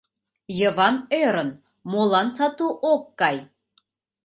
Йыван ӧрын: молан сату ок кай?